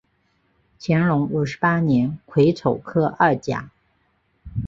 乾隆五十八年癸丑科二甲。